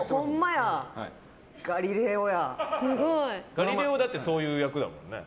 「ガリレオ」はだってそういう役だもんね。